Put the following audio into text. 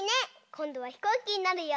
こんどはひこうきになるよ！